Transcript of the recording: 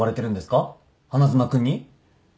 花妻君に。